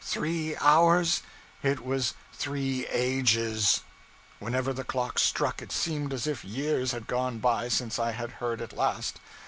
Three hours ? it was three ages! Whenever the clock struck, it seemed as if years had gone by since I had heard it last.